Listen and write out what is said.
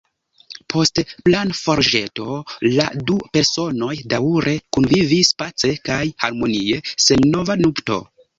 Post planforĵeto la du personoj daŭre kunvivis pace kaj harmonie sen nova nupto.